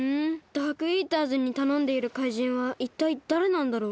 ダークイーターズにたのんでいる怪人はいったいだれなんだろう。